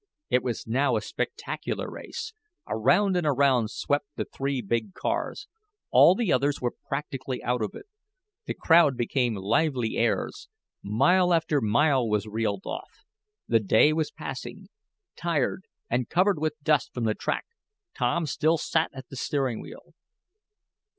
It was now a spectacular race. Around and around swept the three big cars. All the others were practically out of it. The crowd became lively airs. Mile after mile was reeled off. The day was passing. Tired and covered with dust from the track, Tom still sat at the steering wheel.